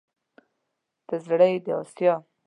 ته زړه يې د اسيا